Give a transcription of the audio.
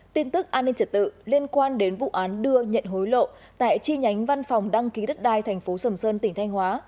tin tức an ninh trật tự liên quan đến vụ án đưa nhận hối lộ tại chi nhánh văn phòng đăng ký đất đai thành phố sầm sơn tỉnh thanh hóa